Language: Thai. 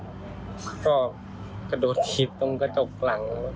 ก็กระโดดถีบตรงกระจกหลัง